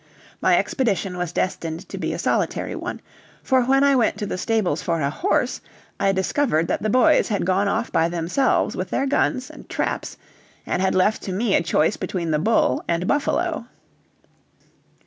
My expedition was destined to be a solitary one, for when I went to the stables for a horse, I discovered that the boys had gone off by themselves with their guns and traps, and had left to me a choice between the bull and buffalo.